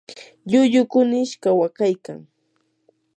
lllullu kunish kawakaykan.